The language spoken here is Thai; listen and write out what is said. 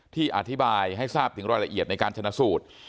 อธิบายให้ทราบถึงรายละเอียดในการชนะสูตร